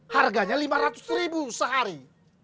harganya lima ratus ribu sehari